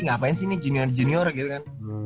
ngapain sih nih junior junior gitu kan